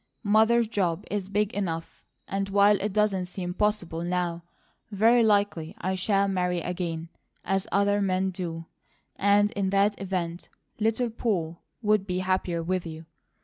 Mother's job is big enough; and while it doesn't seem possible now, very likely I shall marry again, as other men do; and in that event, Little Poll WOULD be happier with you.